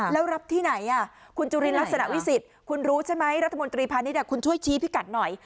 แล้วรับที่ไหนคุณจุรินรัฐสนาวิสิตคุณรู้ใช่ไหมรัฐมนตรีภาคนี้คุณช่วยชี้พี่กัลหน่อย